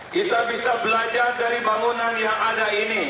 kita bisa belajar dari bangunan yang ada ini